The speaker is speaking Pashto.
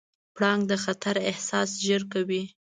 پړانګ د خطر احساس ژر کوي.